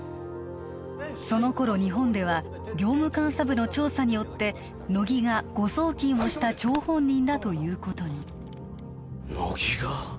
その頃日本では業務監査部の調査によって乃木が誤送金をした張本人だということに乃木が？